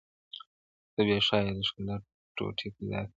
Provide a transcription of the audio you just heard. • ته به ښايی د ښکلا ټوټې پیدا کړې -